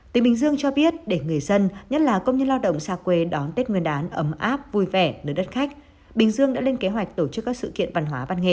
tỉnh bình dương cho biết để người dân nhất là công nhân lao động xa quê đón tết nguyên đán ấm áp vui vẻ nơi đất khách bình dương đã lên kế hoạch tổ chức các sự kiện văn hóa văn nghệ